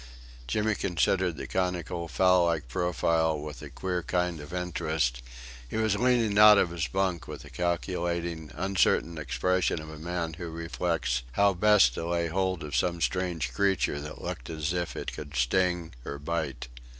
Jimmy considered the conical, fowl like profile with a queer kind of interest; he was leaning out of his bunk with the calculating, uncertain expression of a man who reflects how best to lay hold of some strange creature that looks as though it could sting or bite.